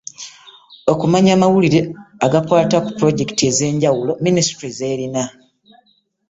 Okumanya amawulire agakwata ku pulojekiti ez'enjawulo minisitule z'erina